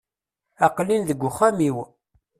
Aqel-in deg uxxam-iw.